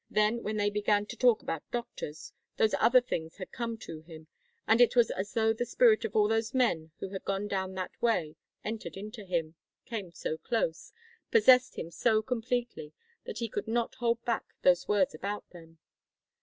Then when they began to talk about doctors, those other things had come to him, and it was as though the spirit of all those men who had gone down that way entered into him, came so close, possessed him so completely, that he could not hold back those words about them.